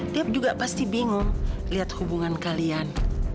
dia juga pasti bingung lihat hubungan kalian